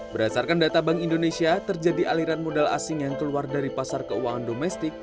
berdasarkan data bank indonesia terjadi aliran modal asing yang keluar dari pasar keuangan domestik